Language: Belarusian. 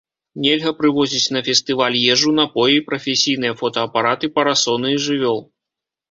Нельга прывозіць на фестываль ежу, напоі, прафесійныя фотаапараты, парасоны і жывёл.